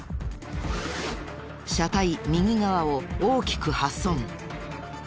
車体右側を大きく破損。